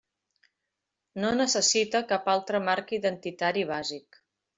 No necessite cap altre marc identitari bàsic.